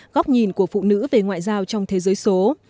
góc nhìn của phụ nữ về ngoại giao trong thế giới số